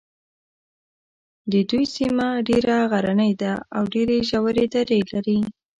د دوی سیمه ډېره غرنۍ ده او ډېرې ژورې درې لري.